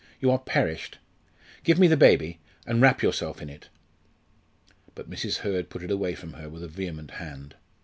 "You are perished. Give me the baby, and wrap yourself in it." But Mrs. Hurd put it away from her with a vehement hand.